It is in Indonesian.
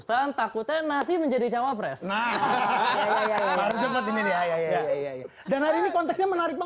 heiitation takutnya nasi menjadi cawapres nah harga harga ini konteksnya menarik